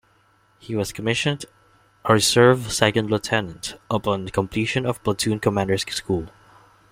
He was commissioned a reserve second lieutenant upon completion of Platoon Commander's School.